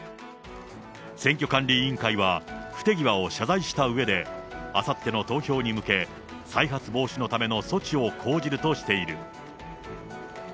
選挙管理委員会は不手際を謝罪したうえで、あさっての投票に向け、再発防止のための措置を講じるとしている。